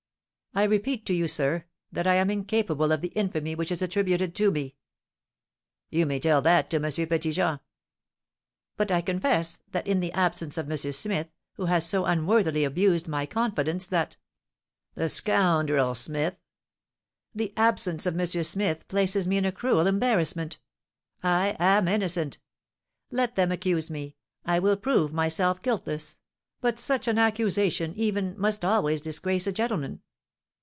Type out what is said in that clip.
"I repeat to you, sir, that I am incapable of the infamy which is attributed to me." "You may tell that to M. Petit Jean." "But I confess that, in the absence of M. Smith, who has so unworthily abused my confidence, that " "The scoundrel Smith!" "The absence of M. Smith places me in a cruel embarrassment. I am innocent, let them accuse me, I will prove myself guiltless; but such an accusation, even, must always disgrace a gentleman."